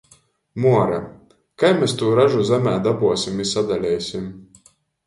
Muora, kai mes tū ražu zemē dabuosim i sadaleisim?